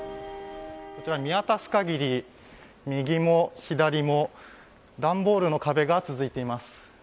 こちら、見渡す限り右も左も段ボールの壁が続いています。